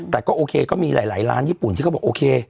แต่ก็โอเคก็มีหลายร้านญี่ปุ่นที่เขาบอกโอเค